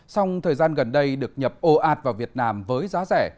song thời gian gần đây được nhập ồ ạt vào việt nam với giá rẻ